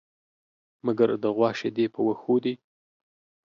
مگر د غوا شيدې په وښو دي.